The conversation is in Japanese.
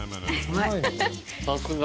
さすが。